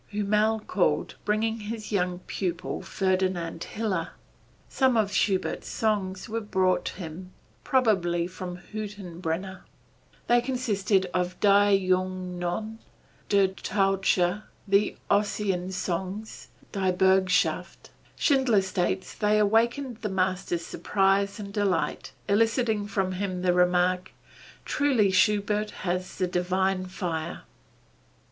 Hümmel called, bringing his young pupil Ferdinand Hiller. Some of Schubert's songs were brought him, probably by Hüttenbrenner. They consisted of Die Junge Nonne, Der Taucher, the Ossian songs, Die Bürgschaft. Schindler states they awakened the master's surprise and delight, eliciting from him the remark, "Truly, Schubert has the divine fire."